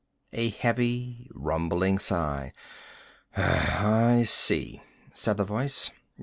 A heavy rumbling sigh. "I see," said the voice.